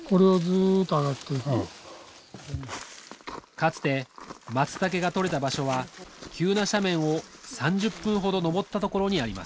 かつてマツタケが採れた場所は急な斜面を３０分ほど登ったところにあります